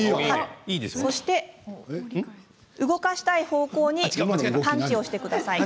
そして動かしたい方向にパンチをしてください。